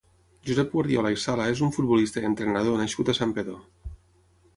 Josep Guardiola i Sala és un futbolista i entrenador nascut a Santpedor.